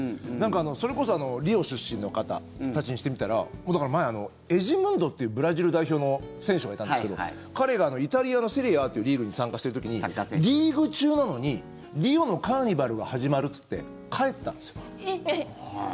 それこそリオ出身の方たちにしてみたらエジムンドっていうブラジル代表の選手がいたんですけど彼がイタリアのセリエＡというリーグに参加している時にリーグ中なのに、リオのカーニバルが始まるって言って帰ったんですよ。